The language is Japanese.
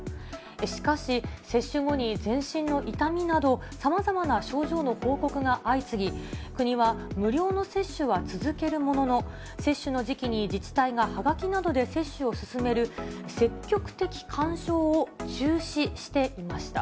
しかし、接種後に全身の痛みなど、さまざまな症状の報告が相次ぎ、国は無料の接種は続けるものの、接種の時期に自治体がはがきなどで接種を勧める、積極的勧奨を中止していました。